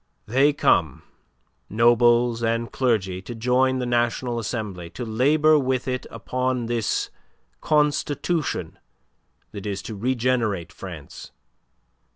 They come, nobles and clergy, to join the National Assembly, to labour with it upon this constitution that is to regenerate France.